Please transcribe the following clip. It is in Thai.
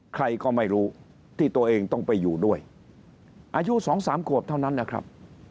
ใครก็ไม่รู้ที่ตัวเองต้องไปอยู่ด้วยอายุ๒๓ขวบเท่านั้นนะครับ